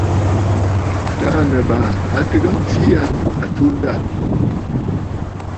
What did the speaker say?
Taà Nɨ̀bàʼà a tɨgə mfee aa atunda yâ.